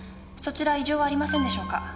そちら異常はありませんでしょうか？